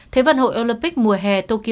thế vận hội olympic mùa hè tokyo hai nghìn hai mươi